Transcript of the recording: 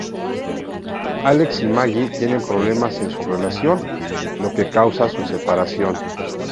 Alex y Maggie tienen problemas en su relación, lo que causa su separación.